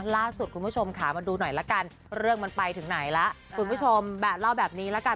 ล่าสุดคุณผู้ชมค่ะมาดูหน่อยละกันเรื่องมันไปถึงไหนล่ะคุณผู้ชมแบบเล่าแบบนี้ละกัน